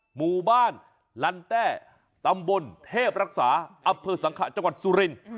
หมู่บ้านลันแต้ตำบลเทพรักษาอำเภอสังขะจังหวัดสุรินทร์